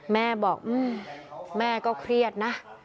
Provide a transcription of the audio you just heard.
แม่บอกแม่ก็เครียดนะ